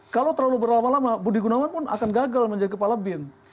kalau terlalu berlama lama budi gunawan pun akan gagal menjadi kepala bin